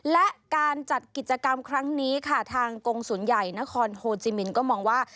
และการจัดกิจกรรมครั้งนี้ค่ะทางกงศูนย์ใหญ่นครโฮจิมินก็มองว่า